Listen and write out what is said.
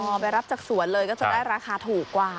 พอไปรับจากสวนเลยก็จะได้ราคาถูกกว่า